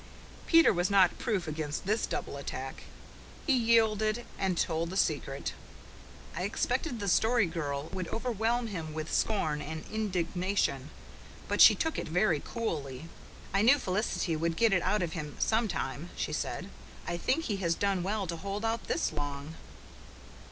Peter was not proof against this double attack. He yielded and told the secret. I expected the Story Girl would overwhelm him with scorn and indignation. But she took it very coolly. "I knew Felicity would get it out of him sometime," she said. "I think he has done well to hold out this long."